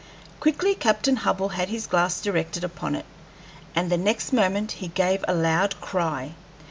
Quickly Captain Hubbell had his glass directed upon it, and the next moment he gave a loud cry.